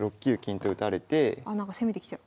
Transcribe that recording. あなんか攻めてきちゃう。